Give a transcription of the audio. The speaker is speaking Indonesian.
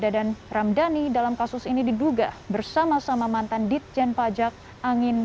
dadan ramdhani dalam kasus ini diduga bersama sama mantan ditjen pajak angin